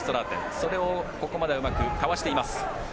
それをここまではうまくかわしています。